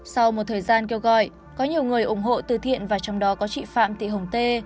sau một thời gian kêu gọi có nhiều người ủng hộ từ thiện và trong đó có chị phạm thị hồng tê